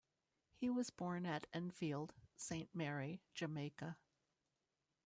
He was born at Enfield, Saint Mary, Jamaica.